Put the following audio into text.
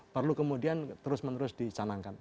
perlu kemudian terus menerus dicanangkan